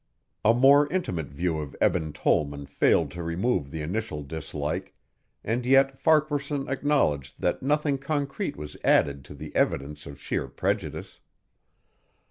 '" A more intimate view of Eben Tollman failed to remove the initial dislike, and yet Farquaharson acknowledged that nothing concrete was added to the evidence of sheer prejudice.